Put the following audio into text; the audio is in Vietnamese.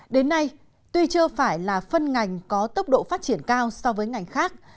đến nay tuy chưa phải là phân ngành có tốc độ phát triển cao so với ngành khác